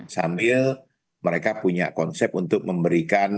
sambil mereka punya konsep untuk memberikan